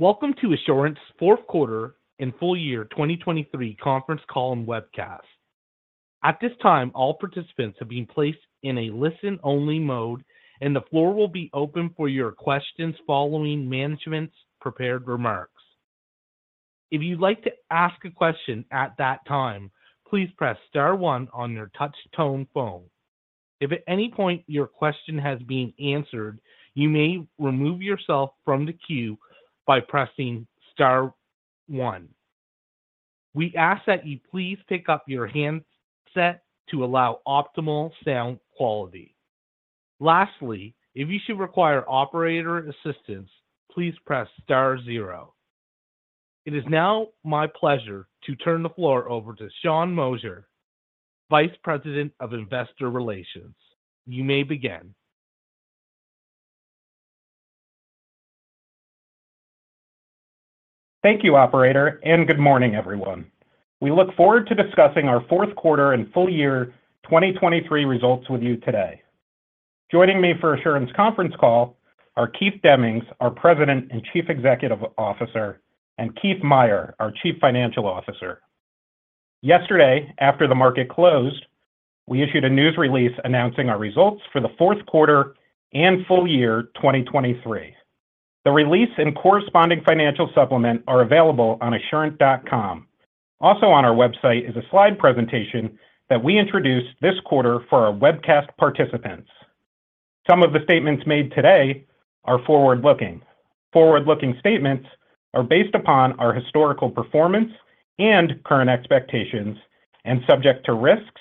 Welcome to Assurant's Fourth Quarter and full year 2023 Conference Call and webcast. At this time, all participants have been placed in a listen-only mode, and the floor will be open for your questions following management's prepared remarks. If you'd like to ask a question at that time, please press star one on your touch tone phone. If at any point your question has been answered, you may remove yourself from the queue by pressing star one. We ask that you please pick up your handset to allow optimal sound quality. Lastly, if you should require operator assistance, please press star zero. It is now my pleasure to turn the floor over to Sean Moshier, Vice President, Investor Relations. You may begin. Thank you, operator, and good morning, everyone. We look forward to discussing our fourth quarter and full year 2023 results with you today. Joining me for Assurant's conference call are Keith Demmings, our President and Chief Executive Officer, and Keith Meier, our Chief Financial Officer. Yesterday, after the market closed, we issued a news release announcing our results for the fourth quarter and full year 2023. The release and corresponding financial supplement are available on assurant.com. Also on our website is a slide presentation that we introduced this quarter for our webcast participants. Some of the statements made today are forward-looking. Forward-looking statements are based upon our historical performance and current expectations and subject to risks,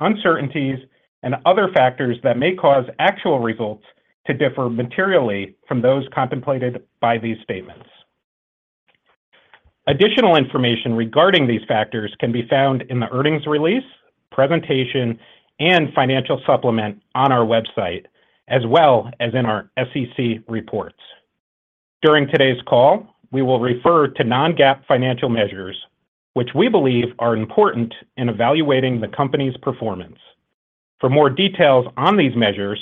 uncertainties, and other factors that may cause actual results to differ materially from those contemplated by these statements. Additional information regarding these factors can be found in the earnings release, presentation, and financial supplement on our website, as well as in our SEC reports. During today's call, we will refer to non-GAAP financial measures, which we believe are important in evaluating the company's performance. For more details on these measures,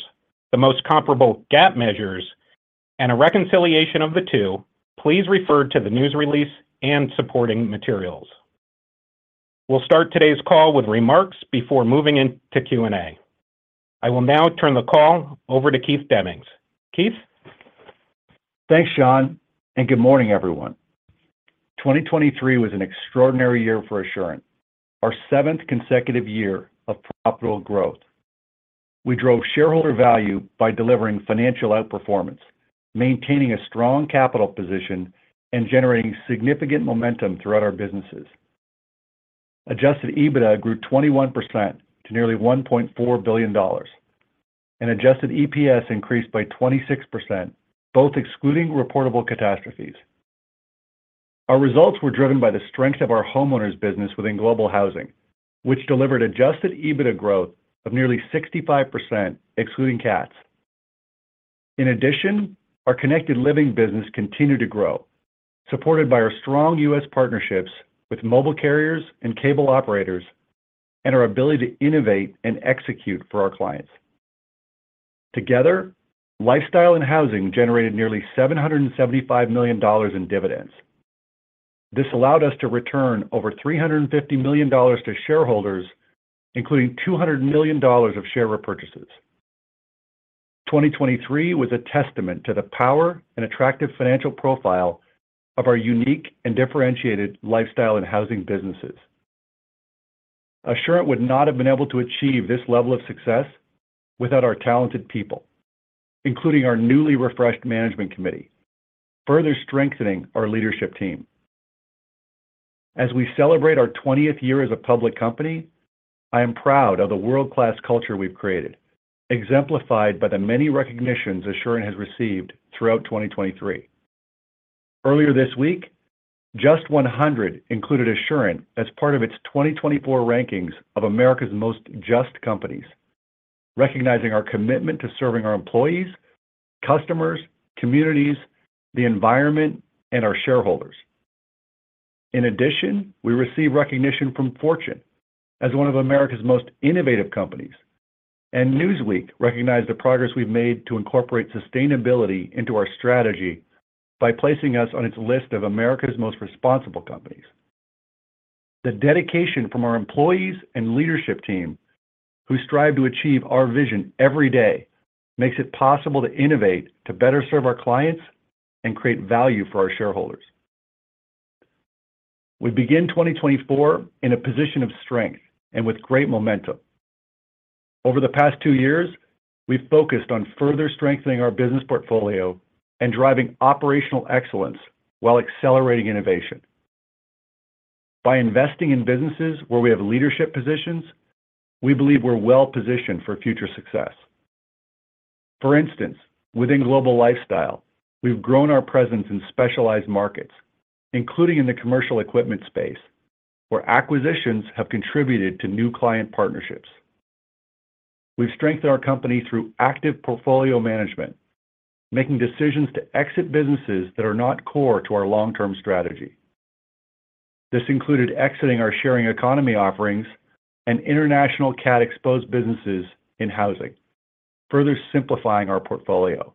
the most comparable GAAP measures, and a reconciliation of the two, please refer to the news release and supporting materials. We'll start today's call with remarks before moving into Q&A. I will now turn the call over to Keith Demmings. Keith? Thanks, Sean, and good morning, everyone. 2023 was an extraordinary year for Assurant, our seventh consecutive year of profitable growth. We drove shareholder value by delivering financial outperformance, maintaining a strong capital position, and generating significant momentum throughout our businesses. Adjusted EBITDA grew 21% to nearly $1.4 billion, and adjusted EPS increased by 26%, both excluding reportable catastrophes. Our results were driven by the strength of our homeowners business within Global Housing, which delivered adjusted EBITDA growth of nearly 65%, excluding CATs. In addition, our Connected Living business continued to grow, supported by our strong U.S. partnerships with mobile carriers and cable operators, and our ability to innovate and execute for our clients. Together, Lifestyle and Housing generated nearly $775 million in dividends. This allowed us to return over $350 million to shareholders, including $200 million of share repurchases. 2023 was a testament to the power and attractive financial profile of our unique and differentiated lifestyle and housing businesses. Assurant would not have been able to achieve this level of success without our talented people, including our newly refreshed management committee, further strengthening our leadership team. As we celebrate our 20th year as a public company, I am proud of the world-class culture we've created, exemplified by the many recognitions Assurant has received throughout 2023. Earlier this week, JUST 100 included Assurant as part of its 2024 rankings of America's most just companies, recognizing our commitment to serving our employees, customers, communities, the environment, and our shareholders. In addition, we received recognition from Fortune as one of America's most innovative companies, and Newsweek recognized the progress we've made to incorporate sustainability into our strategy by placing us on its list of America's most responsible companies. The dedication from our employees and leadership team, who strive to achieve our vision every day, makes it possible to innovate, to better serve our clients and create value for our shareholders. We begin 2024 in a position of strength and with great momentum. Over the past two years, we've focused on further strengthening our business portfolio and driving operational excellence while accelerating innovation. By investing in businesses where we have leadership positions, we believe we're well positioned for future success. For instance, within Global Lifestyle, we've grown our presence in specialized markets, including in the commercial equipment space, where acquisitions have contributed to new client partnerships. We've strengthened our company through active portfolio management, making decisions to exit businesses that are not core to our long-term strategy. This included exiting our sharing economy offerings and international cat-exposed businesses in housing, further simplifying our portfolio.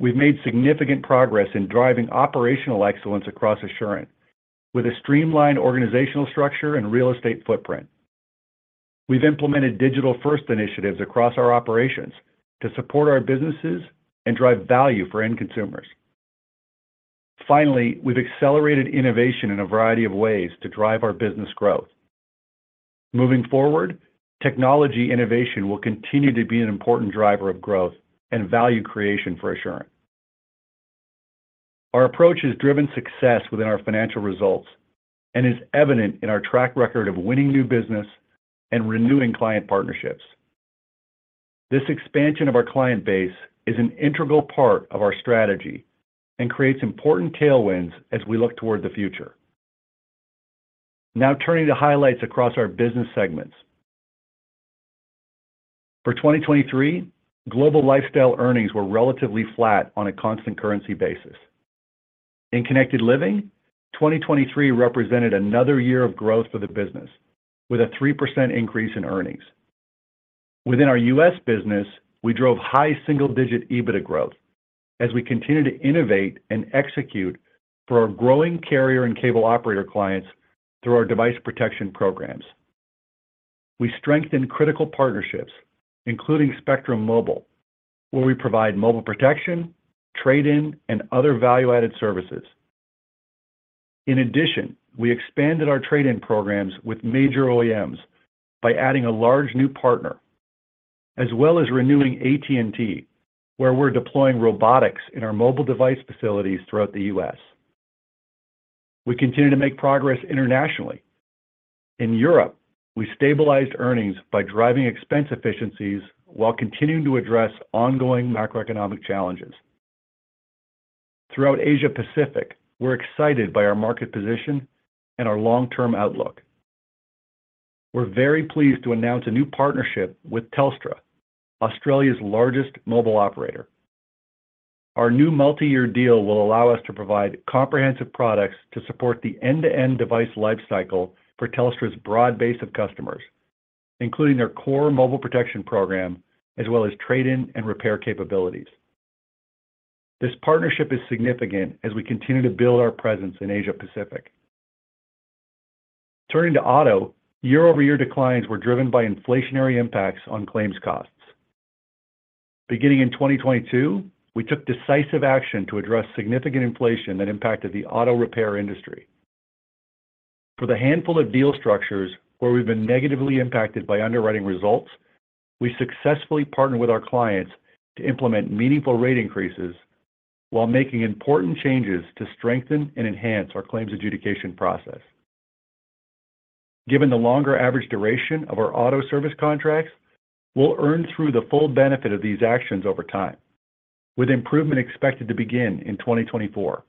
We've made significant progress in driving operational excellence across Assurant, with a streamlined organizational structure and real estate footprint. We've implemented digital-first initiatives across our operations to support our businesses and drive value for end consumers. Finally, we've accelerated innovation in a variety of ways to drive our business growth. Moving forward, technology innovation will continue to be an important driver of growth and value creation for Assurant. Our approach has driven success within our financial results and is evident in our track record of winning new business and renewing client partnerships. This expansion of our client base is an integral part of our strategy and creates important tailwinds as we look toward the future. Now, turning to highlights across our business segments. For 2023, Global Lifestyle earnings were relatively flat on a constant currency basis. In Connected Living, 2023 represented another year of growth for the business, with a 3% increase in earnings. Within our U.S. business, we drove high single-digit EBITDA growth as we continue to innovate and execute for our growing carrier and cable operator clients through our device protection programs. We strengthened critical partnerships, including Spectrum Mobile, where we provide mobile protection, trade-in, and other value-added services. In addition, we expanded our trade-in programs with major OEMs by adding a large new partner, as well as renewing AT&T, where we're deploying robotics in our mobile device facilities throughout the U.S. We continue to make progress internationally. In Europe, we stabilized earnings by driving expense efficiencies while continuing to address ongoing macroeconomic challenges. Throughout Asia Pacific, we're excited by our market position and our long-term outlook. We're very pleased to announce a new partnership with Telstra, Australia's largest mobile operator. Our new multi-year deal will allow us to provide comprehensive products to support the end-to-end device lifecycle for Telstra's broad base of customers, including their core mobile protection program, as well as trade-in and repair capabilities. This partnership is significant as we continue to build our presence in Asia Pacific. Turning to Auto, year-over-year declines were driven by inflationary impacts on claims costs. Beginning in 2022, we took decisive action to address significant inflation that impacted the auto repair industry. For the handful of deal structures where we've been negatively impacted by underwriting results, we successfully partnered with our clients to implement meaningful rate increases while making important changes to strengthen and enhance our claims adjudication process. Given the longer average duration of our auto service contracts, we'll earn through the full benefit of these actions over time, with improvement expected to begin in 2024.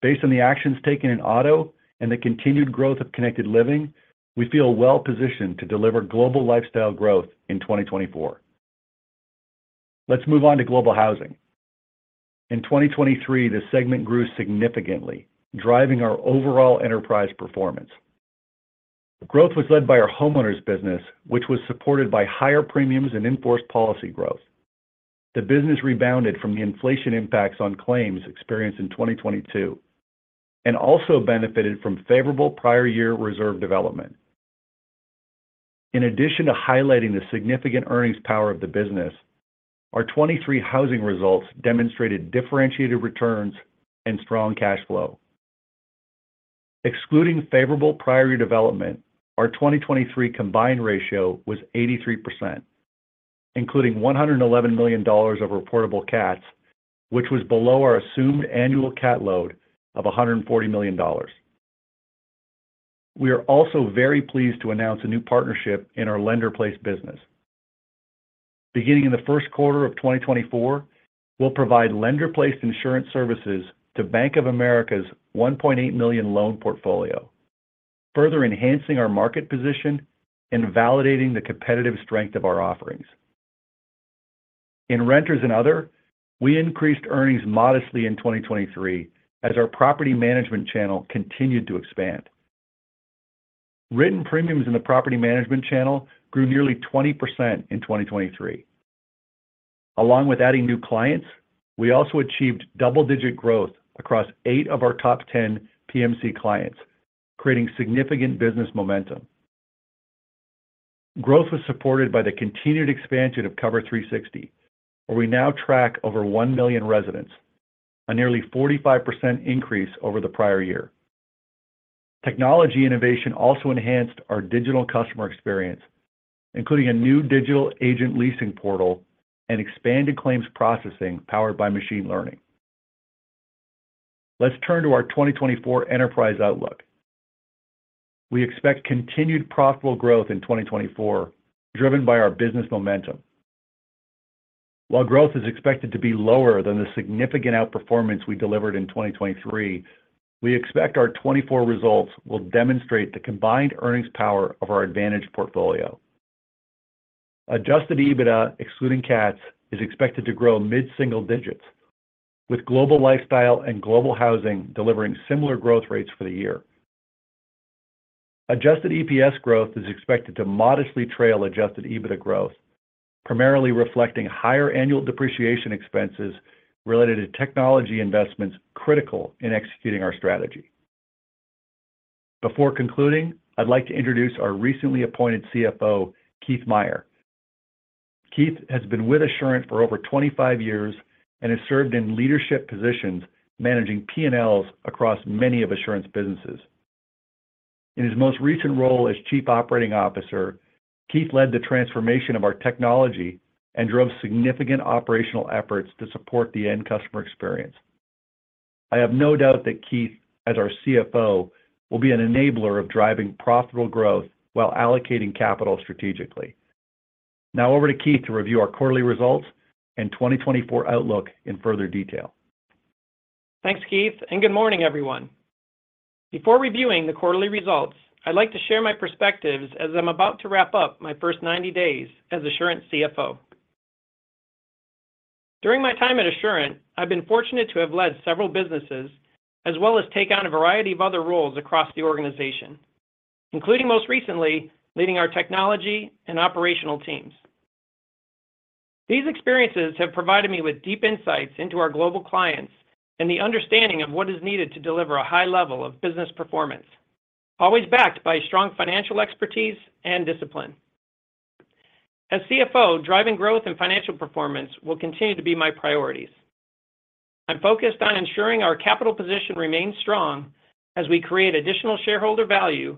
Based on the actions taken in Auto and the continued growth of Connected Living, we feel well positioned to deliver Global Lifestyle growth in 2024. Let's move on to Global Housing. In 2023, the segment grew significantly, driving our overall enterprise performance. Growth was led by our homeowners business, which was supported by higher premiums and in-force policy growth. The business rebounded from the inflation impacts on claims experienced in 2022 and also benefited from favorable prior year reserve development. In addition to highlighting the significant earnings power of the business, our 2023 housing results demonstrated differentiated returns and strong cash flow. Excluding favorable prior year development, our 2023 combined ratio was 83%, including $111 million of reportable CATs, which was below our assumed annual CAT load of $140 million. We are also very pleased to announce a new partnership in our lender-placed business. Beginning in the first quarter of 2024, we'll provide lender-placed insurance services to Bank of America's 1.8 million loan portfolio, further enhancing our market position and validating the competitive strength of our offerings. In Renters and Other, we increased earnings modestly in 2023 as our property management channel continued to expand. Written premiums in the property management channel grew nearly 20% in 2023. Along with adding new clients, we also achieved double-digit growth across 8 of our top 10 PMC clients, creating significant business momentum. Growth was supported by the continued expansion of Cover360, where we now track over 1 million residents, a nearly 45% increase over the prior year. Technology innovation also enhanced our digital customer experience, including a new digital agent leasing portal and expanded claims processing powered by machine learning. Let's turn to our 2024 enterprise outlook. We expect continued profitable growth in 2024, driven by our business momentum. While growth is expected to be lower than the significant outperformance we delivered in 2023, we expect our 2024 results will demonstrate the combined earnings power of our advantage portfolio. Adjusted EBITDA, excluding CATs, is expected to grow mid-single digits, with Global Lifestyle and Global Housing delivering similar growth rates for the year. Adjusted EPS growth is expected to modestly trail adjusted EBITDA growth, primarily reflecting higher annual depreciation expenses related to technology investments critical in executing our strategy. Before concluding, I'd like to introduce our recently appointed CFO, Keith Meier. Keith has been with Assurant for over 25 years and has served in leadership positions, managing P&Ls across many of Assurant's businesses. In his most recent role as Chief Operating Officer, Keith led the transformation of our technology and drove significant operational efforts to support the end customer experience. I have no doubt that Keith, as our CFO, will be an enabler of driving profitable growth while allocating capital strategically. Now over to Keith to review our quarterly results and 2024 outlook in further detail. Thanks, Keith, and good morning, everyone. Before reviewing the quarterly results, I'd like to share my perspectives as I'm about to wrap up my first 90 days as Assurant CFO. During my time at Assurant, I've been fortunate to have led several businesses, as well as take on a variety of other roles across the organization, including, most recently, leading our technology and operational teams. These experiences have provided me with deep insights into our global clients and the understanding of what is needed to deliver a high level of business performance, always backed by strong financial expertise and discipline. As CFO, driving growth and financial performance will continue to be my priorities. I'm focused on ensuring our capital position remains strong as we create additional shareholder value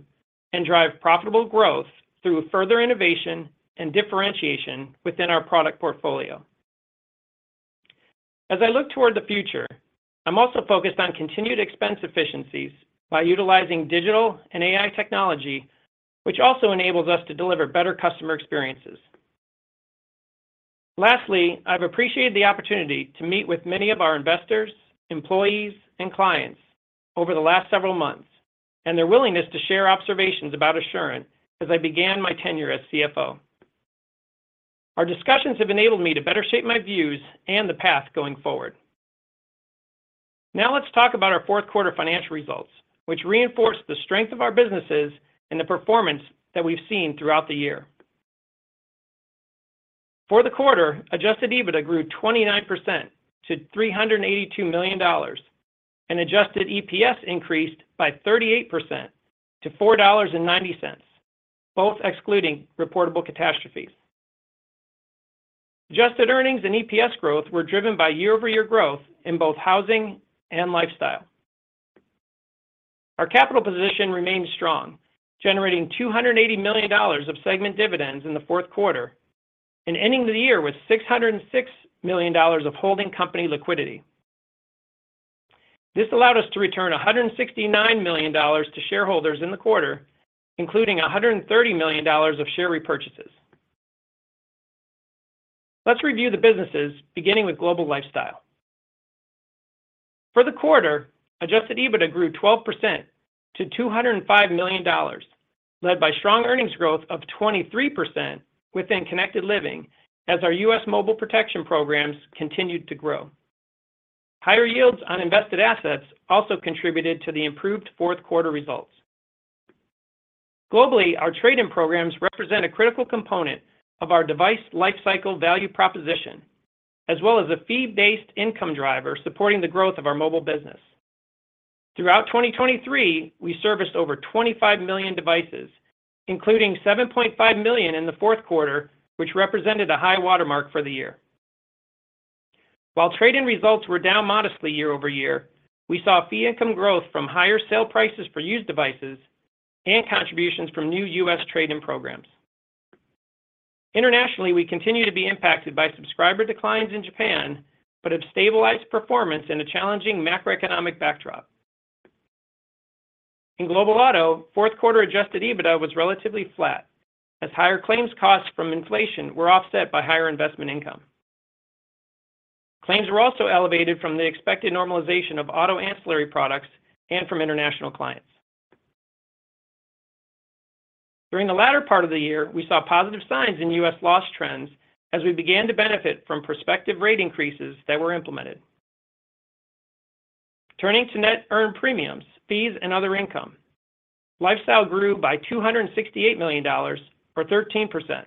and drive profitable growth through further innovation and differentiation within our product portfolio. As I look toward the future, I'm also focused on continued expense efficiencies by utilizing digital and AI technology, which also enables us to deliver better customer experiences. Lastly, I've appreciated the opportunity to meet with many of our investors, employees, and clients over the last several months, and their willingness to share observations about Assurant as I began my tenure as CFO. Our discussions have enabled me to better shape my views and the path going forward. Now let's talk about our fourth quarter financial results, which reinforce the strength of our businesses and the performance that we've seen throughout the year. For the quarter, Adjusted EBITDA grew 29% to $382 million, and Adjusted EPS increased by 38% to $4.90, both excluding reportable catastrophes. Adjusted earnings and EPS growth were driven by year-over-year growth in both housing and lifestyle. Our capital position remains strong, generating $280 million of segment dividends in the fourth quarter and ending the year with $606 million of holding company liquidity. This allowed us to return $169 million to shareholders in the quarter, including $130 million of share repurchases. Let's review the businesses, beginning with Global Lifestyle. For the quarter, Adjusted EBITDA grew 12% to $205 million, led by strong earnings growth of 23% within Connected Living, as our US mobile protection programs continued to grow. Higher yields on invested assets also contributed to the improved fourth quarter results. Globally, our trade-in programs represent a critical component of our device lifecycle value proposition, as well as a fee-based income driver supporting the growth of our mobile business. Throughout 2023, we serviced over 25 million devices, including 7.5 million in the fourth quarter, which represented a high watermark for the year. While trade-in results were down modestly year-over-year, we saw fee income growth from higher sale prices for used devices and contributions from new U.S. trade-in programs. Internationally, we continue to be impacted by subscriber declines in Japan, but have stabilized performance in a challenging macroeconomic backdrop. In Global Auto, fourth quarter Adjusted EBITDA was relatively flat, as higher claims costs from inflation were offset by higher investment income. Claims were also elevated from the expected normalization of auto ancillary products and from international clients. During the latter part of the year, we saw positive signs in U.S. loss trends as we began to benefit from prospective rate increases that were implemented. Turning to net earned premiums, fees, and other income. Global Lifestyle grew by $268 million, or 13%.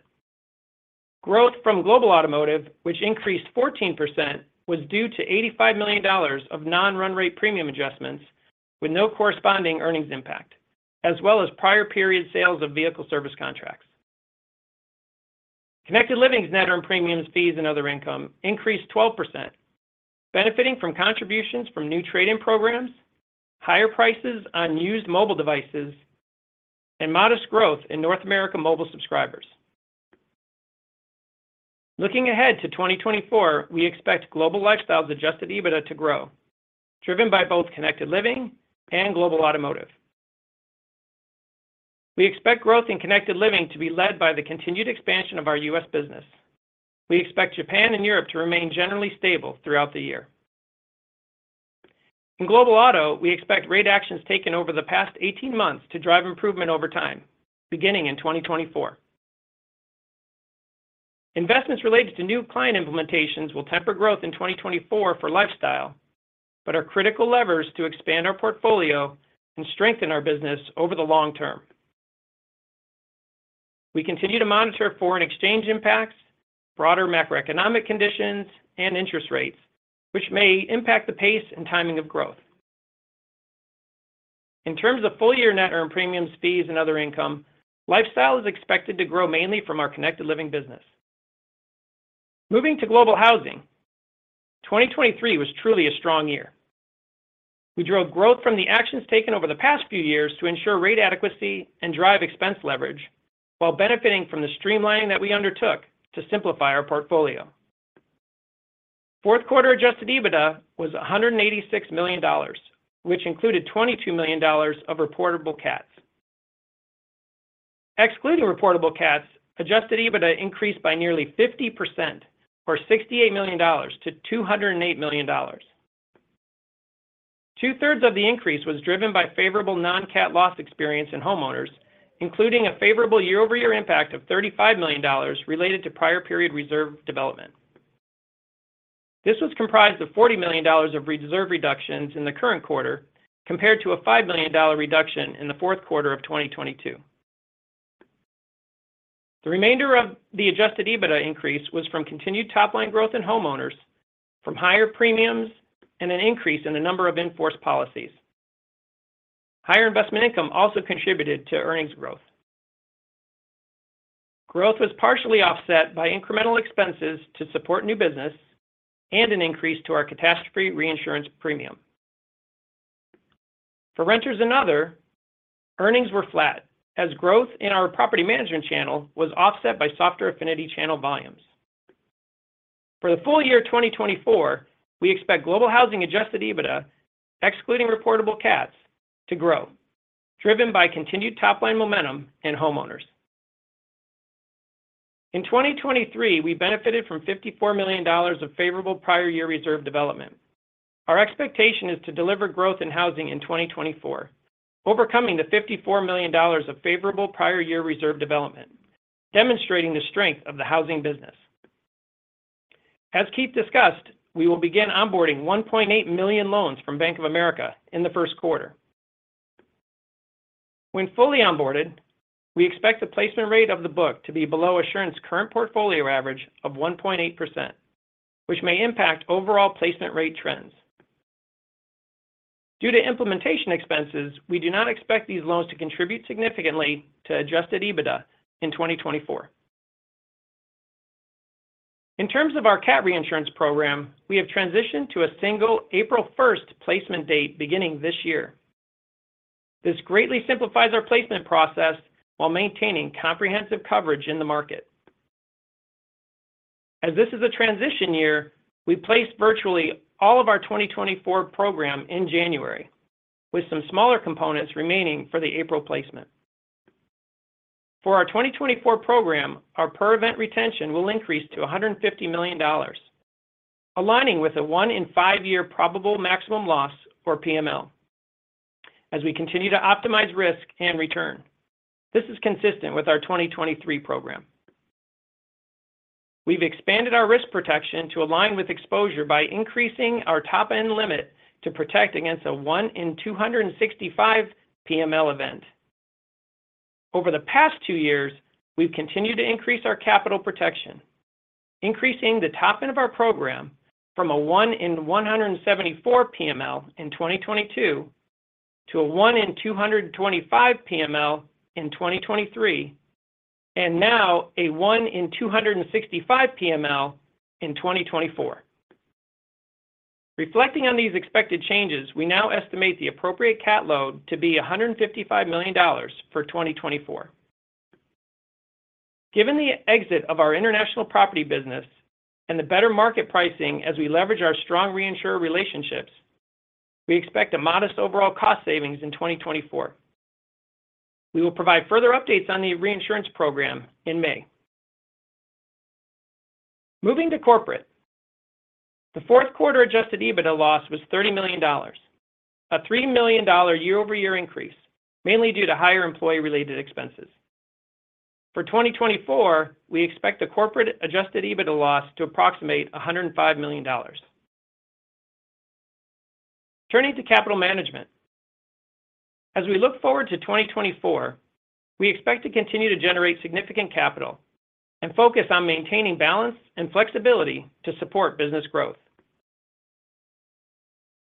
Growth from Global Automotive, which increased 14%, was due to $85 million of non-run rate premium adjustments with no corresponding earnings impact, as well as prior period sales of vehicle service contracts. Connected Living's net earned premiums, fees, and other income increased 12%, benefiting from contributions from new trade-in programs, higher prices on used mobile devices, and modest growth in North America mobile subscribers. Looking ahead to 2024, we expect Global Lifestyle's Adjusted EBITDA to grow, driven by both Connected Living and Global Automotive. We expect growth in Connected Living to be led by the continued expansion of our U.S. business. We expect Japan and Europe to remain generally stable throughout the year. In Global Auto, we expect rate actions taken over the past 18 months to drive improvement over time, beginning in 2024. Investments related to new client implementations will temper growth in 2024 for Lifestyle, but are critical levers to expand our portfolio and strengthen our business over the long term. We continue to monitor foreign exchange impacts, broader macroeconomic conditions, and interest rates, which may impact the pace and timing of growth. In terms of full-year net earned premiums, fees, and other income, Lifestyle is expected to grow mainly from our Connected Living business. Moving to Global Housing, 2023 was truly a strong year. We drove growth from the actions taken over the past few years to ensure rate adequacy and drive expense leverage, while benefiting from the streamlining that we undertook to simplify our portfolio. Fourth quarter Adjusted EBITDA was $186 million, which included $22 million of reportable CATs. Excluding reportable CATs, adjusted EBITDA increased by nearly 50%, or $68 million to $208 million. Two-thirds of the increase was driven by favorable non-CAT loss experience in homeowners, including a favorable year-over-year impact of $35 million related to prior period reserve development. This was comprised of $40 million of reserve reductions in the current quarter, compared to a $5 million reduction in the fourth quarter of 2022. The remainder of the adjusted EBITDA increase was from continued top-line growth in homeowners from higher premiums and an increase in the number of in-force policies. Higher investment income also contributed to earnings growth. Growth was partially offset by incremental expenses to support new business and an increase to our catastrophe reinsurance premium. For renters and other, earnings were flat, as growth in our property management channel was offset by softer affinity channel volumes. For the full year 2024, we expect Global Housing Adjusted EBITDA, excluding reportable CATs, to grow, driven by continued top-line momentum in homeowners. In 2023, we benefited from $54 million of favorable prior year reserve development. Our expectation is to deliver growth in housing in 2024, overcoming the $54 million of favorable prior year reserve development, demonstrating the strength of the housing business. As Keith discussed, we will begin onboarding 1.8 million loans from Bank of America in the first quarter. When fully onboarded, we expect the placement rate of the book to be below Assurant's current portfolio average of 1.8%, which may impact overall placement rate trends. Due to implementation expenses, we do not expect these loans to contribute significantly to Adjusted EBITDA in 2024. In terms of our CAT reinsurance program, we have transitioned to a single April 1 placement date beginning this year. This greatly simplifies our placement process while maintaining comprehensive coverage in the market. As this is a transition year, we placed virtually all of our 2024 program in January, with some smaller components remaining for the April placement. For our 2024 program, our per event retention will increase to $150 million, aligning with a 1-in-5-year probable maximum loss or PML, as we continue to optimize risk and return. This is consistent with our 2023 program. We've expanded our risk protection to align with exposure by increasing our top-end limit to protect against a 1-in-265 PML event. Over the past 2 years, we've continued to increase our capital protection, increasing the top end of our program from a 1-in-174 PML in 2022 to a 1-in-225 PML in 2023, and now a 1-in-265 PML in 2024. Reflecting on these expected changes, we now estimate the appropriate CAT load to be $155 million for 2024. Given the exit of our international property business and the better market pricing as we leverage our strong reinsurer relationships, we expect a modest overall cost savings in 2024. We will provide further updates on the reinsurance program in May. Moving to corporate. The fourth quarter adjusted EBITDA loss was $30 million, a $3 million year-over-year increase, mainly due to higher employee-related expenses. For 2024, we expect a corporate adjusted EBITDA loss to approximate $105 million. Turning to capital management. As we look forward to 2024, we expect to continue to generate significant capital and focus on maintaining balance and flexibility to support business growth.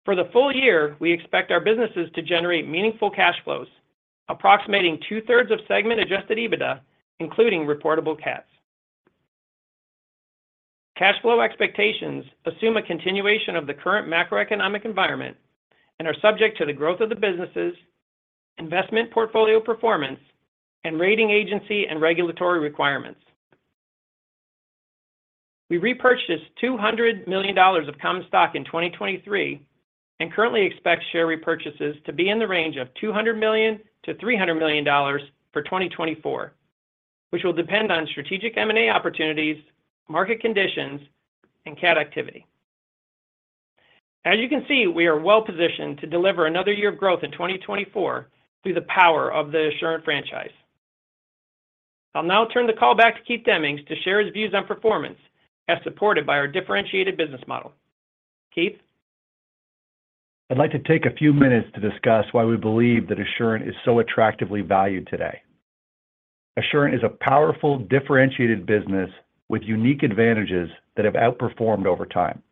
For the full year, we expect our businesses to generate meaningful cash flows, approximating two-thirds of segment adjusted EBITDA, including reportable CATs. Cash flow expectations assume a continuation of the current macroeconomic environment and are subject to the growth of the businesses, investment portfolio performance, and rating agency and regulatory requirements. We repurchased $200 million of common stock in 2023 and currently expect share repurchases to be in the range of $200 million-$300 million for 2024 which will depend on strategic M&A opportunities, market conditions, and CAT activity. As you can see, we are well-positioned to deliver another year of growth in 2024 through the power of the Assurant franchise. I'll now turn the call back to Keith Demmings to share his views on performance, as supported by our differentiated business model. Keith? I'd like to take a few minutes to discuss why we believe that Assurant is so attractively valued today. Assurant is a powerful, differentiated business with unique advantages that have outperformed over time.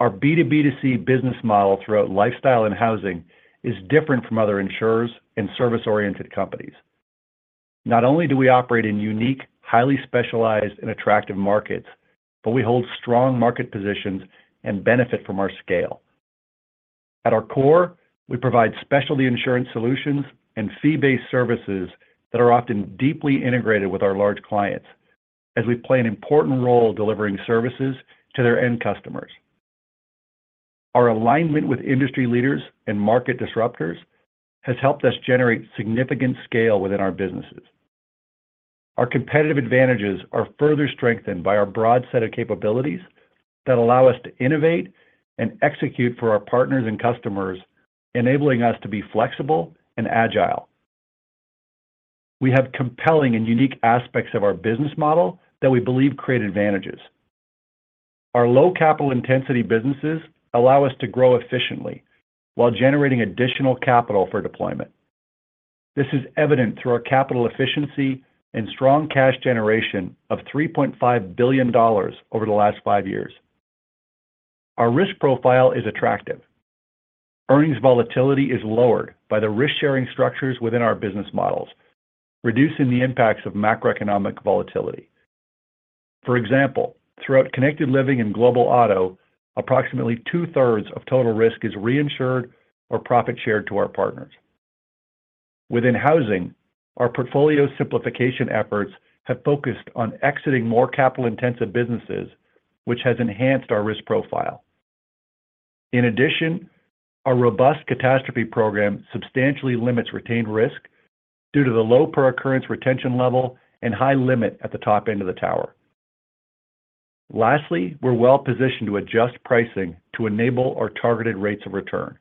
Our B2B2C business model throughout lifestyle and housing is different from other insurers and service-oriented companies. Not only do we operate in unique, highly specialized, and attractive markets, but we hold strong market positions and benefit from our scale. At our core, we provide specialty insurance solutions and fee-based services that are often deeply integrated with our large clients, as we play an important role delivering services to their end customers. Our alignment with industry leaders and market disruptors has helped us generate significant scale within our businesses. Our competitive advantages are further strengthened by our broad set of capabilities that allow us to innovate and execute for our partners and customers, enabling us to be flexible and agile. We have compelling and unique aspects of our business model that we believe create advantages. Our low capital intensity businesses allow us to grow efficiently while generating additional capital for deployment. This is evident through our capital efficiency and strong cash generation of $3.5 billion over the last 5 years. Our risk profile is attractive. Earnings volatility is lowered by the risk-sharing structures within our business models, reducing the impacts of macroeconomic volatility. For example, throughout Connected Living and Global Auto, approximately two-thirds of total risk is reinsured or profit shared to our partners. Within housing, our portfolio simplification efforts have focused on exiting more capital-intensive businesses, which has enhanced our risk profile. In addition, our robust catastrophe program substantially limits retained risk due to the low per occurrence retention level and high limit at the top end of the tower. Lastly, we're well positioned to adjust pricing to enable our targeted rates of return.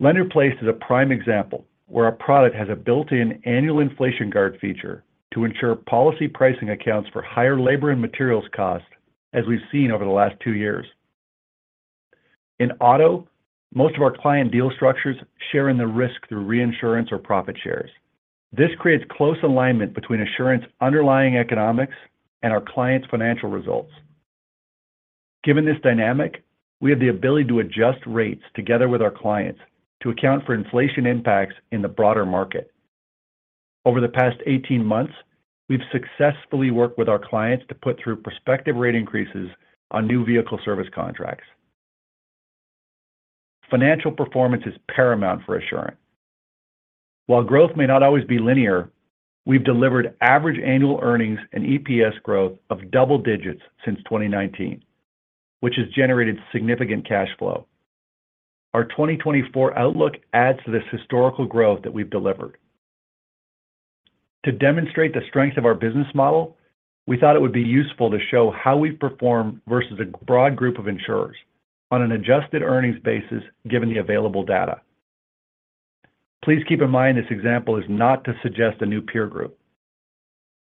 Lender-Placed is a prime example where our product has a built-in annual inflation guard feature to ensure policy pricing accounts for higher labor and materials cost, as we've seen over the last two years. In auto, most of our client deal structures share in the risk through reinsurance or profit shares. This creates close alignment between Assurant's underlying economics and our clients' financial results. Given this dynamic, we have the ability to adjust rates together with our clients to account for inflation impacts in the broader market. Over the past 18 months, we've successfully worked with our clients to put through prospective rate increases on new vehicle service contracts. Financial performance is paramount for Assurant. While growth may not always be linear, we've delivered average annual earnings and EPS growth of double digits since 2019, which has generated significant cash flow. Our 2024 outlook adds to this historical growth that we've delivered. To demonstrate the strength of our business model, we thought it would be useful to show how we perform versus a broad group of insurers on an adjusted earnings basis, given the available data. Please keep in mind, this example is not to suggest a new peer group.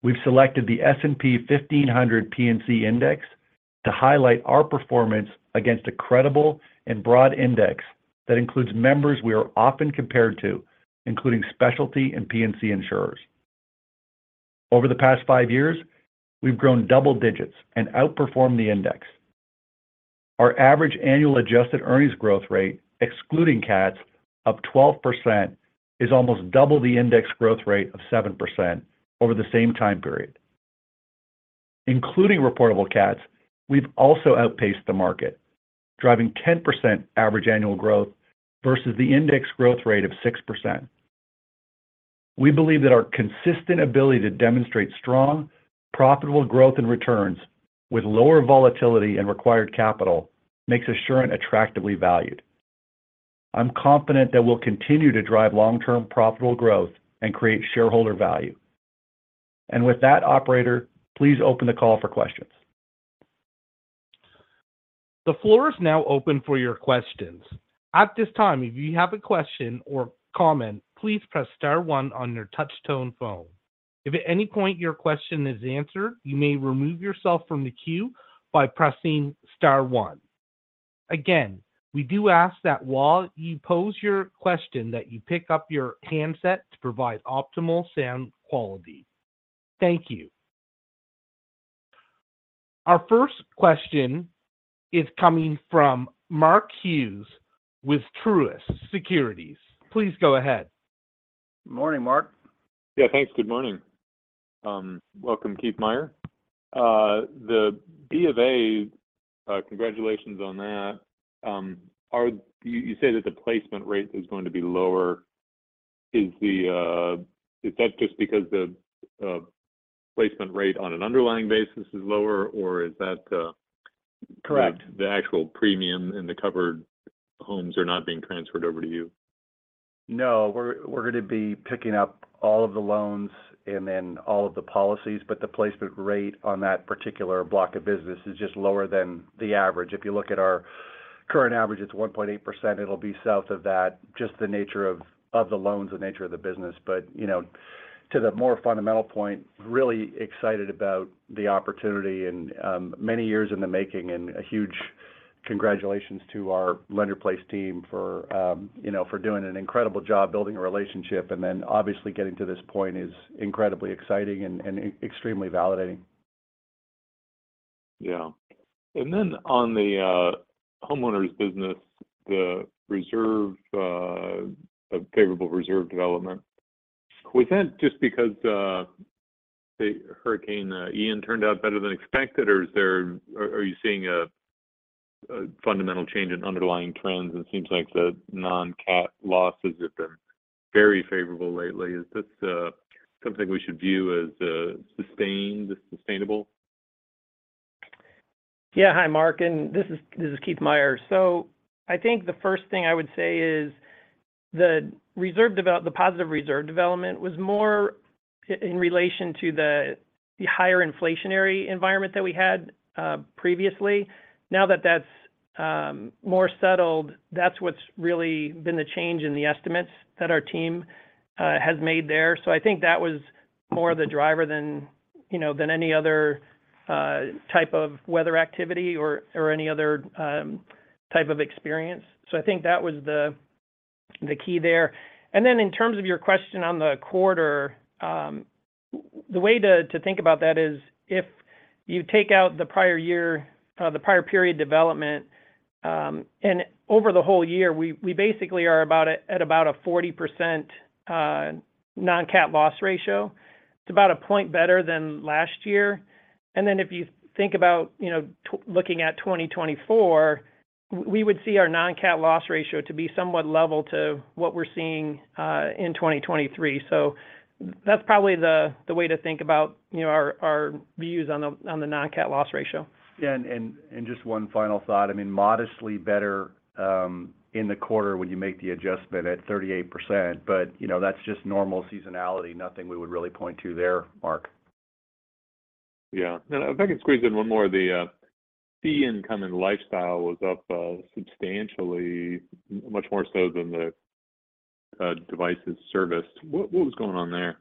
We've selected the S&P 1500 P&C index to highlight our performance against a credible and broad index that includes members we are often compared to, including specialty and P&C insurers. Over the past five years, we've grown double digits and outperformed the index. Our average annual adjusted earnings growth rate, excluding CATs, of 12%, is almost double the index growth rate of 7% over the same time period. Including reportable CATs, we've also outpaced the market, driving 10% average annual growth versus the index growth rate of 6%. We believe that our consistent ability to demonstrate strong, profitable growth and returns with lower volatility and required capital makes Assurant attractively valued. I'm confident that we'll continue to drive long-term, profitable growth and create shareholder value. And with that, operator, please open the call for questions. The floor is now open for your questions. At this time, if you have a question or comment, please press star one on your touch tone phone. If at any point your question is answered, you may remove yourself from the queue by pressing star one. Again, we do ask that while you pose your question, that you pick up your handset to provide optimal sound quality. Thank you. Our first question is coming from Mark Hughes with Truist Securities. Please go ahead. Morning, Mark. Yeah, thanks. Good morning. Welcome, Keith Meier. The B of A, congratulations on that. Are you, you say that the placement rate is going to be lower. Is that just because the placement rate on an underlying basis is lower, or is that, Correct The actual premium and the covered homes are not being transferred over to you? No, we're gonna be picking up all of the loans and then all of the policies, but the placement rate on that particular block of business is just lower than the average. If you look at our current average, it's 1.8%. It'll be south of that, just the nature of the loans, the nature of the business. But, you know, to the more fundamental point, really excited about the opportunity and many years in the making, and a huge congratulations to our Lender-Placed team for you know, for doing an incredible job building a relationship, and then obviously getting to this point is incredibly exciting and extremely validating. Yeah. And then on the homeowner's business, the reserve favorable reserve development, was that just because the Hurricane Ian turned out better than expected, or are you seeing a fundamental change in underlying trends? It seems like the non-CAT losses have been very favorable lately. Is this something we should view as sustained, sustainable? Yeah. Hi, Mark, and this is Keith Meier. So I think the first thing I would say is the positive reserve development was more in relation to the higher inflationary environment that we had previously. Now that that's more settled, that's what's really been the change in the estimates that our team has made there. So I think that was more the driver than, you know, than any other type of weather activity or any other type of experience. So I think that was the key there. Then in terms of your question on the quarter, the way to think about that is if you take out the prior year, the prior period development, and over the whole year, we basically are about at about a 40% non-CAT loss ratio. It's about a point better than last year. And then if you think about, you know, looking at 2024, we would see our non-CAT loss ratio to be somewhat level to what we're seeing in 2023. So that's probably the way to think about, you know, our views on the non-CAT loss ratio. Yeah, just one final thought. I mean, modestly better in the quarter when you make the adjustment at 38%, but, you know, that's just normal seasonality. Nothing we would really point to there, Mark. Yeah. Now, if I can squeeze in one more, the fee income and Lifestyle was up substantially, much more so than the devices serviced. What was going on there?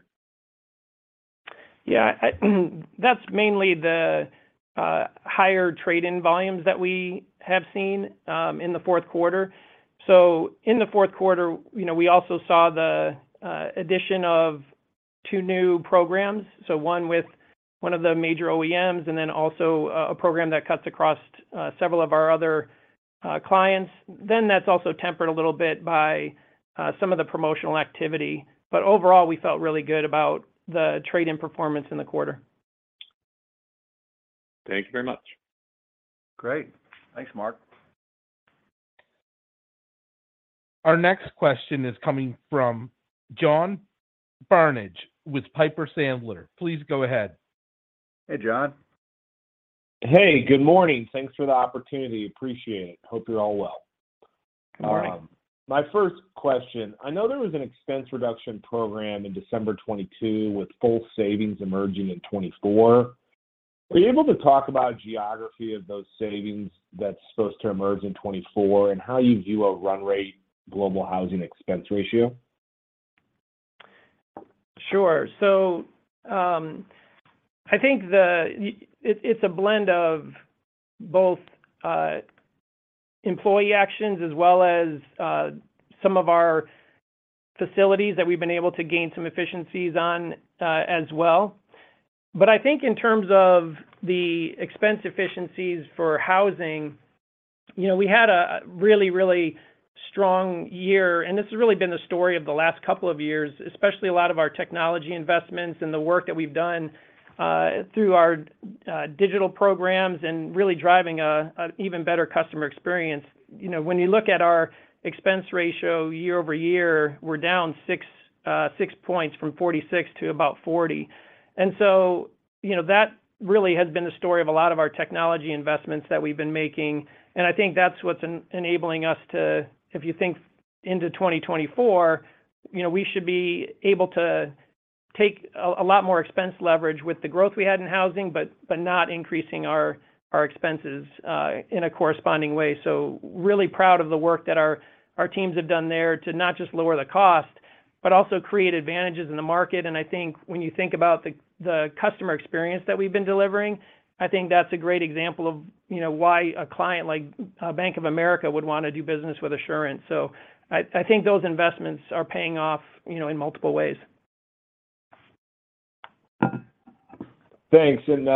Yeah, that's mainly the higher trade-in volumes that we have seen in the fourth quarter. So in the fourth quarter, you know, we also saw the addition of two new programs, so one with one of the major OEMs and then also a program that cuts across several of our other clients. Then that's also tempered a little bit by some of the promotional activity, but overall, we felt really good about the trade-in performance in the quarter. Thank you very much. Great. Thanks, Mark. Our next question is coming from John Barnidge with Piper Sandler. Please go ahead. Hey, John. Hey, good morning. Thanks for the opportunity. Appreciate it. Hope you're all well. All right. My first question: I know there was an expense reduction program in December 2022, with full savings emerging in 2024. Are you able to talk about geography of those savings that's supposed to emerge in 2024 and how you view a run rate Global Housing expense ratio? Sure. So, I think it's a blend of both employee actions as well as some of our facilities that we've been able to gain some efficiencies on as well. But I think in terms of the expense efficiencies for housing, you know, we had a really, really strong year, and this has really been the story of the last couple of years, especially a lot of our technology investments and the work that we've done through our digital programs and really driving an even better customer experience. You know, when you look at our expense ratio year-over-year, we're down 6 points from 46 to about 40. And so, you know, that really has been the story of a lot of our technology investments that we've been making, and I think that's what's enabling us to, if you think into 2024, you know, we should be able to take a lot more expense leverage with the growth we had in housing, but not increasing our expenses in a corresponding way. So really proud of the work that our teams have done there to not just lower the cost, but also create advantages in the market. And I think when you think about the customer experience that we've been delivering, I think that's a great example of, you know, why a client like Bank of America would want to do business with Assurant. So I think those investments are paying off, you know, in multiple ways. Thanks. And,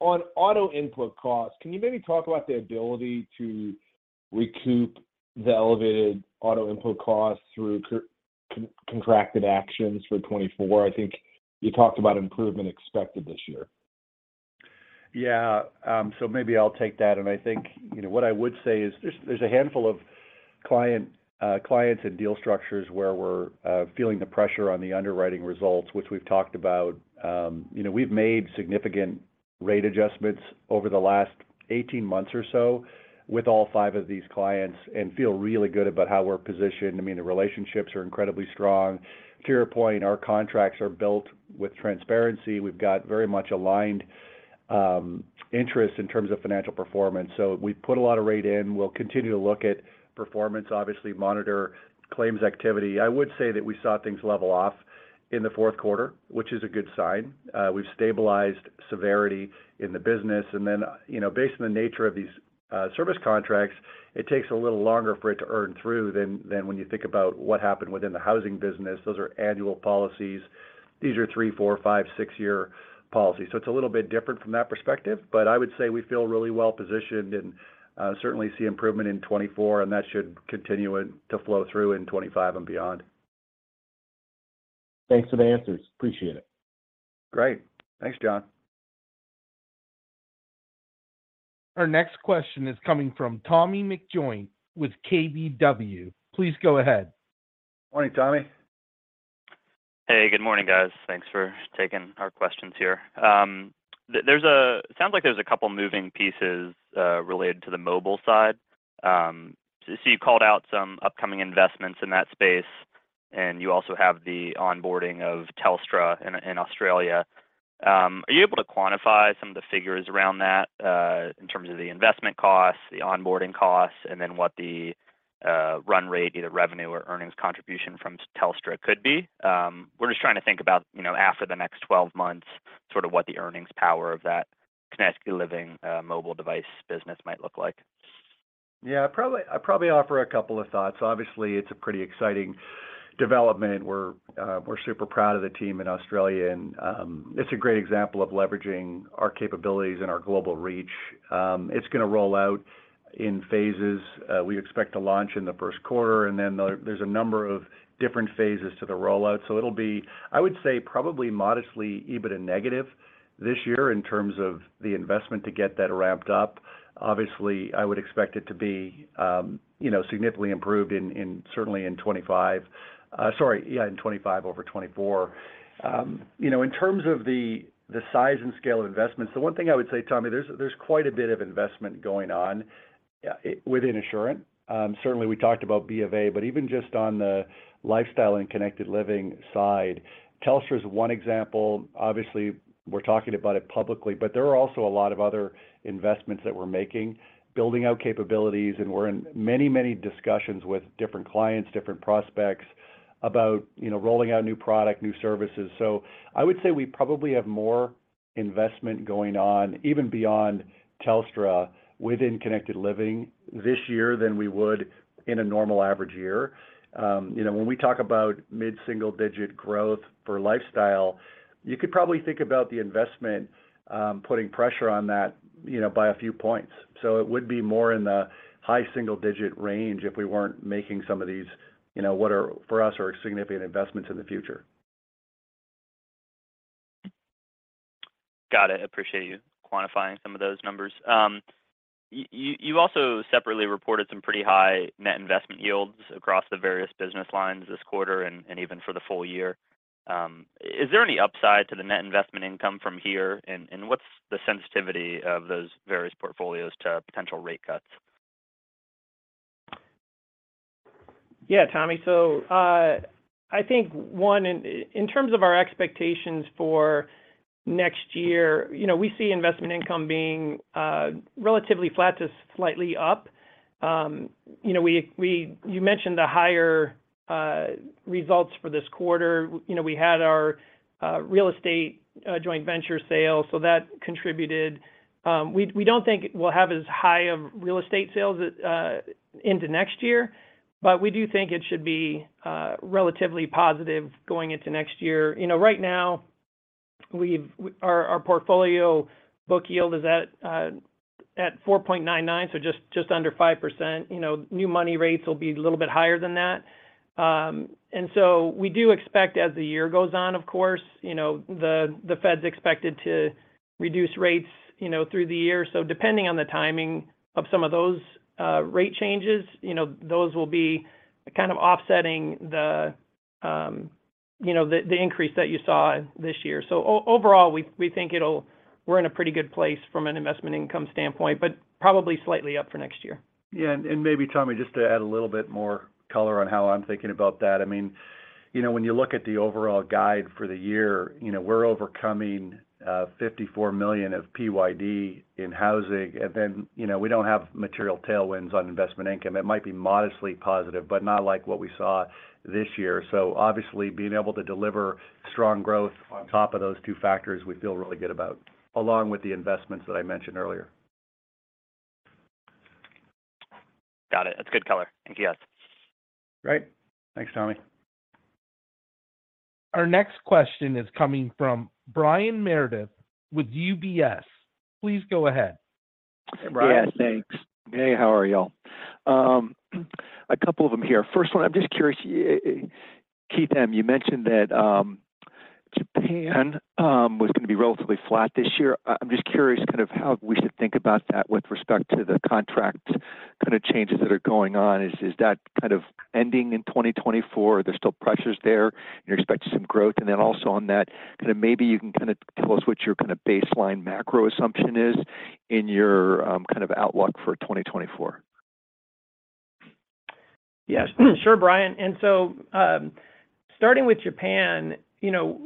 on auto input costs, can you maybe talk about the ability to recoup the elevated auto input costs through contracted actions for 2024? I think you talked about improvement expected this year. Yeah, so maybe I'll take that. And I think, you know, what I would say is there's, there's a handful of client, clients and deal structures where we're feeling the pressure on the underwriting results, which we've talked about. You know, we've made significant rate adjustments over the last 18 months or so with all five of these clients and feel really good about how we're positioned. I mean, the relationships are incredibly strong. To your point, our contracts are built with transparency. We've got very much aligned interest in terms of financial performance. So we've put a lot of rate in. We'll continue to look at performance, obviously, monitor claims activity. I would say that we saw things level off in the fourth quarter, which is a good sign. We've stabilized severity in the business, and then, you know, based on the nature of these service contracts, it takes a little longer for it to earn through than when you think about what happened within the housing business. Those are annual policies. These are 3, 4, 5, 6-year policies. So it's a little bit different from that perspective, but I would say we feel really well-positioned and certainly see improvement in 2024, and that should continue to flow through in 2025 and beyond. Thanks for the answers. Appreciate it. Great. Thanks, John. Our next question is coming from Tommy McJoynt with KBW. Please go ahead. Morning, Tommy. Hey, good morning, guys. Thanks for taking our questions here. Sounds like there's a couple moving pieces related to the mobile side. So you called out some upcoming investments in that space, and you also have the onboarding of Telstra in Australia. Are you able to quantify some of the figures around that, in terms of the investment costs, the onboarding costs, and then what the run rate, either revenue or earnings contribution from Telstra could be? We're just trying to think about, you know, after the next 12 months, sort of what the earnings power of that Connected Living mobile device business might look like. Yeah, I'll probably offer a couple of thoughts. Obviously, it's a pretty exciting development. We're super proud of the team in Australia, and it's a great example of leveraging our capabilities and our global reach. It's going to roll out in phases. We expect to launch in the first quarter, and then there's a number of different phases to the rollout. So it'll be, I would say, probably modestly EBITDA negative this year in terms of the investment to get that ramped up. Obviously, I would expect it to be, you know, significantly improved in, in certainly in 2025, sorry, yeah, in 2025 over 2024. You know, in terms of the size and scale of investments, the one thing I would say, Tommy, there's quite a bit of investment going on within insurance. Certainly, we talked about BofA, but even just on the lifestyle and connected living side, Telstra is one example. Obviously, we're talking about it publicly, but there are also a lot of other investments that we're making, building out capabilities, and we're in many, many discussions with different clients, different prospects about, you know, rolling out new product, new services. So I would say we probably have more investment going on, even beyond Telstra, within Connected Living this year than we would in a normal average year. You know, when we talk about mid-single-digit growth for lifestyle, you could probably think about the investment, putting pressure on that, you know, by a few points. So it would be more in the high single-digit range if we weren't making some of these, you know, what are, for us, are significant investments in the future. Got it. Appreciate you quantifying some of those numbers. You also separately reported some pretty high net investment yields across the various business lines this quarter and even for the full year. Is there any upside to the net investment income from here, and what's the sensitivity of those various portfolios to potential rate cuts? Yeah, Tommy. So, I think one, in terms of our expectations for next year, you know, we see investment income being relatively flat to slightly up. You know, you mentioned the higher results for this quarter. You know, we had our real estate joint venture sale, so that contributed. We don't think we'll have as high of real estate sales into next year, but we do think it should be relatively positive going into next year. You know, right now, our portfolio book yield is at 4.99, so just under 5%. You know, new money rates will be a little bit higher than that. And so we do expect as the year goes on, of course, you know, the Fed's expected to reduce rates, you know, through the year. So depending on the timing of some of those rate changes, you know, those will be kind of offsetting the increase that you saw this year. So overall, we think it'll. We're in a pretty good place from an investment income standpoint, but probably slightly up for next year. Yeah, and maybe, Tommy, just to add a little bit more color on how I'm thinking about that. I mean, you know, when you look at the overall guide for the year, you know, we're overcoming $54 million of PYD in housing, and then, you know, we don't have material tailwinds on investment income. It might be modestly positive, but not like what we saw this year. So obviously, being able to deliver strong growth on top of those two factors, we feel really good about, along with the investments that I mentioned earlier. Got it. That's good color. Thank you, guys. Great. Thanks, Tommy. Our next question is coming from Brian Meredith with UBS. Please go ahead. Yeah, thanks. Hey, how are y'all? A couple of them here. First one, I'm just curious, Keith M., you mentioned that, Japan, was gonna be relatively flat this year. I'm just curious kind of how we should think about that with respect to the contract kind of changes that are going on. Is that kind of ending in 2024? Are there still pressures there, and you're expecting some growth? And then also on that, kind of maybe you can kind of tell us what your kind of baseline macro assumption is in your, kind of outlook for 2024. Yes. Sure, Brian. And so, starting with Japan, you know,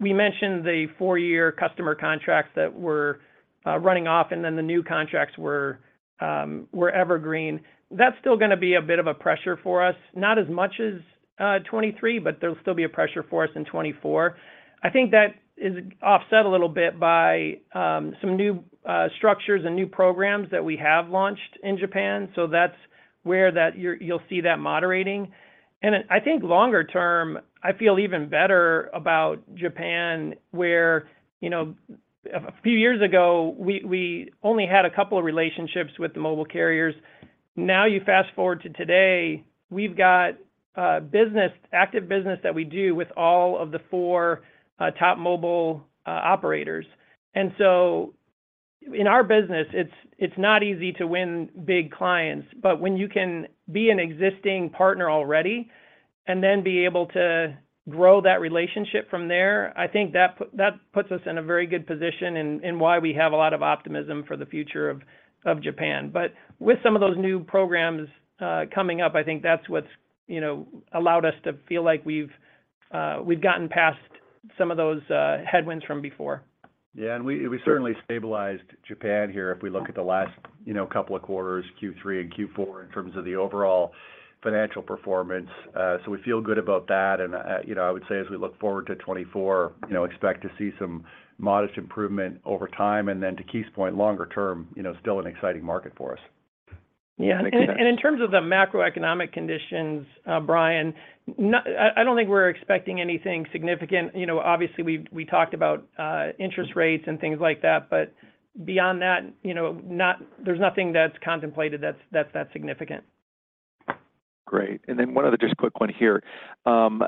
we mentioned the four-year customer contracts that were running off, and then the new contracts were evergreen. That's still gonna be a bit of a pressure for us, not as much as 2023, but there'll still be a pressure for us in 2024. I think that is offset a little bit by some new structures and new programs that we have launched in Japan, so that's where you'll see that moderating. And then, I think longer term, I feel even better about Japan, where, you know, a few years ago, we only had a couple of relationships with the mobile carriers. Now, you fast-forward to today, we've got business, active business that we do with all of the four top mobile operators. So in our business, it's not easy to win big clients, but when you can be an existing partner already, and then be able to grow that relationship from there, I think that puts us in a very good position and why we have a lot of optimism for the future of Japan. But with some of those new programs coming up, I think that's what's, you know, allowed us to feel like we've gotten past some of those headwinds from before. Yeah, and we, we certainly stabilized Japan here if we look at the last, you know, couple of quarters, Q3 and Q4, in terms of the overall financial performance. So we feel good about that, and, you know, I would say, as we look forward to 2024, you know, expect to see some modest improvement over time, and then to Keith's point, longer term, you know, still an exciting market for us. Yeah. Makes sense. In terms of the macroeconomic conditions, Brian, I don't think we're expecting anything significant. You know, obviously, we talked about interest rates and things like that, but beyond that, you know, there's nothing that's contemplated that's that significant. Great. One other just quick one here. On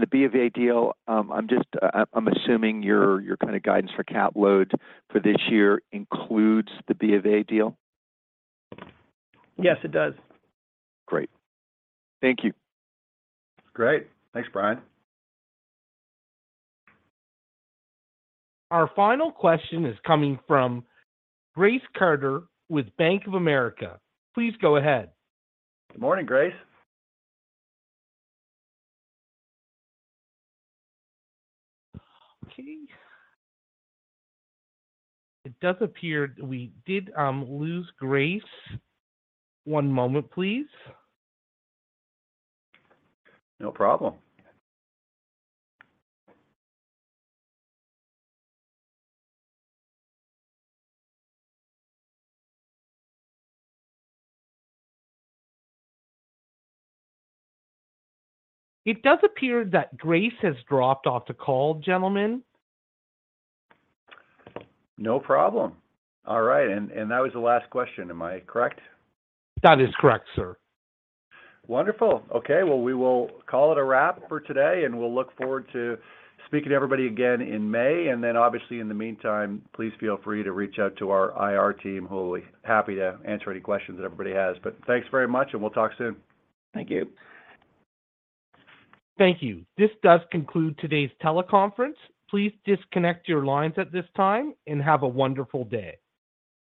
the BofA deal, I'm just, I'm assuming your kind of guidance for CAT load for this year includes the BofA deal? Yes, it does. Great. Thank you. Great. Thanks, Brian. Our final question is coming from Grace Carter with Bank of America. Please go ahead. Good morning, Grace. Okay. It does appear we did lose Grace. One moment, please. No problem. It does appear that Grace has dropped off the call, gentlemen. No problem. All right, and that was the last question. Am I correct? That is correct, sir. Wonderful. Okay, well, we will call it a wrap for today, and we'll look forward to speaking to everybody again in May. And then, obviously, in the meantime, please feel free to reach out to our IR team, who will be happy to answer any questions that everybody has. But thanks very much, and we'll talk soon. Thank you. Thank you. This does conclude today's teleconference. Please disconnect your lines at this time, and have a wonderful day.